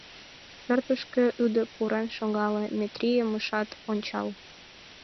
Пӧртышкӧ ӱдыр пурен шогале, Метрийым ышат ончал.